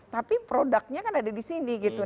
tapi produknya kan ada di sini gitu